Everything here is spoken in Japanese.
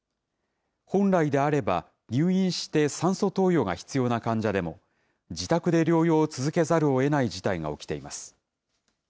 本来であれば、入院して酸素投与が必要な患者でも、自宅で療養を続けざるをえない事態が起きています。